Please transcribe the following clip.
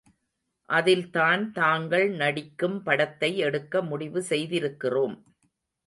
அதில்தான் தாங்கள் நடிக்கும் படத்தை எடுக்க முடிவுசெய்திருக்கிறோம்.